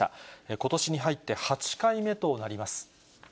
ことしに入って８回目となります。